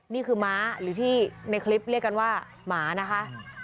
นี่คือม้าหรือที่ในคลิปเรียกกันว่าหมานะคะ